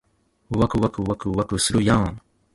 わくわくわくわくわくするやーん